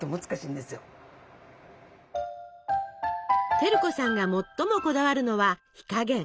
照子さんが最もこだわるのは火加減。